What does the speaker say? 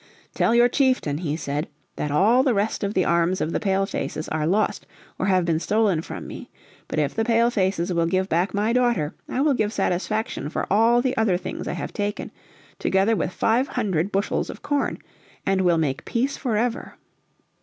"Tell your chieftain," he said, "that all the rest of the arms of the Pale faces are lost, or have been stolen from me. But if the Pale faces will give back my daughter I will give satisfaction for all the other things I have taken, together with five hundred bushels of corn, and will make peace forever."